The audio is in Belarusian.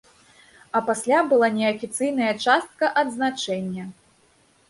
А пасля была неафіцыйная частка адзначэння.